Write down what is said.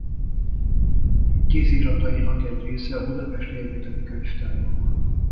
Kéziratainak egy része a budapesti egyetemi könyvtárban van.